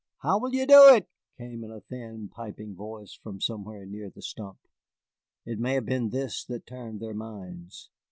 "How will ye do it?" came in a thin, piping voice from somewhere near the stump. It may have been this that turned their minds.